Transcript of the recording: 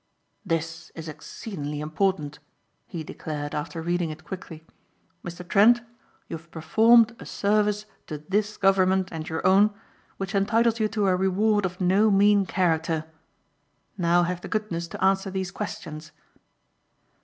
"This is exceedingly important," he declared after reading it quickly. "Mr. Trent you have performed a service to this government and your own which entitles you to a reward of no mean character. Now have the goodness to answer these questions."